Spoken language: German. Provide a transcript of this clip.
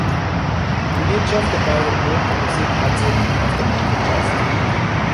Die Wirtschaft der beiden Orte basiert hauptsächlich auf der Landwirtschaft.